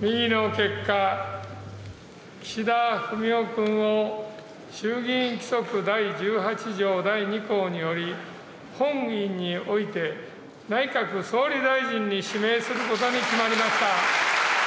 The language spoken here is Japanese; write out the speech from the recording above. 右の結果、岸田文雄君を衆議院規則第１８条第２項により、本院において内閣総理大臣に指名することに決まりました。